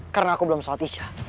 karena aku belum sholat isya